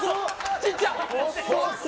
ちっちゃ。